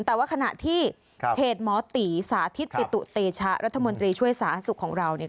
แต่ว่าขณะที่เพจหมอตีสาธิตปิตุเตชะรัฐมนตรีช่วยสาธารณสุขของเราเนี่ย